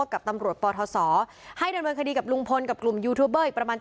ครับตั้งแต่แรกอยู่แล้วครับ